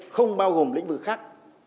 không bao gồm lĩnh vực khác